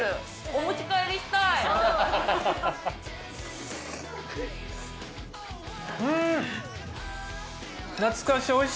お持ち帰りしたい。